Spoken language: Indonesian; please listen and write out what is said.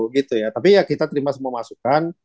gitu ya tapi ya kita terima semua masukan